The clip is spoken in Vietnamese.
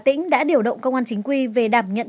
hà tĩnh đã điều động công an chính quy về đảm nhận